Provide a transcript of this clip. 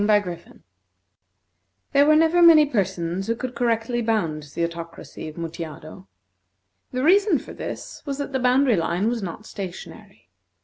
There were never many persons who could correctly bound the Autocracy of Mutjado. The reason for this was that the boundary line was not stationary.